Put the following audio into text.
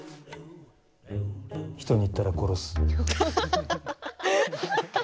人に言ったら殺す。